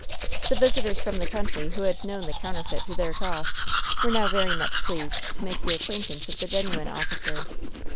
The visitors from the country, who had known the counterfeit to their cost, were now very much pleased to make the acquaintance of the genuine officer.